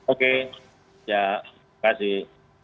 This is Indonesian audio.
oke ya terima kasih